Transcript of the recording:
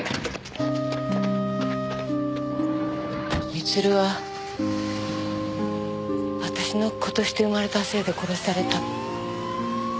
光留は私の子として生まれたせいで殺された。